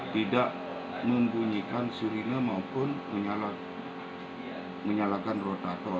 tidak membunyikan sirine maupun menyalakan rotator